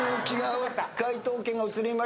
解答権が移りました。